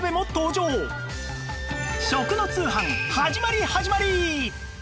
食の通販始まり始まり！